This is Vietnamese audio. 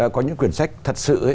có những quyển sách thật sự